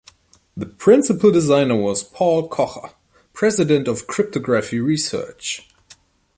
The principal designer was Paul Kocher, president of Cryptography Research.